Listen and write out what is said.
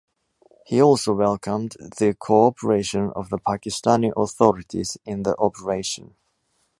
He also welcomed the cooperation of the Pakistani authorities in the operation.